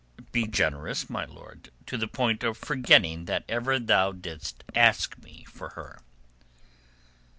"Be generous, my lord, to the point of forgetting that ever thou didst ask me for her."